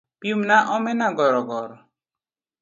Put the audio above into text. pimna omena gorogoro